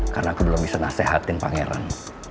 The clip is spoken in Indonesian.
karena aku belum bisa nasehatin pangeran